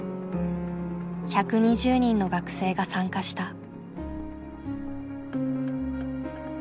１２０人の学生が参加した。